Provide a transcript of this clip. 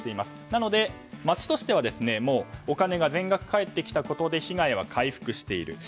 なので、町としてはお金が全額帰ってきたということで被害は回復している。